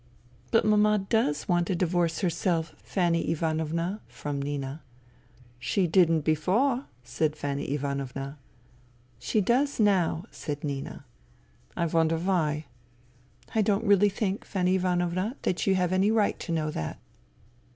" But Mama does want a divorce herself, Fanny Ivanovna," — from Nina. " She didn't before," said Fanny Ivanovna. " She does now," said Nina. " I wonder why ?"" I don't really think, Fanny Ivanovna, that you have any right to know that."